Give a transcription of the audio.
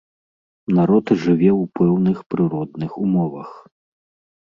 Народ жыве ў пэўных прыродных умовах.